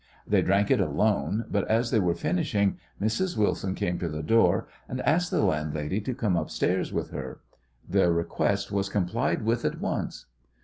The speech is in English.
They drank it alone, but as they were finishing Mrs. Wilson came to the door and asked the landlady to come upstairs with her. The request was complied with at once.